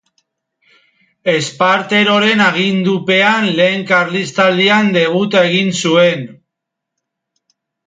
Esparteroren agindupean Lehen Karlistaldian debuta egin zuen.